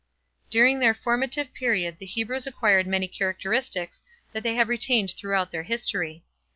During their formative period the Hebrews acquired many characteristics that they have retained throughout their history.